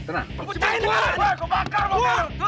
keluar keluar keluar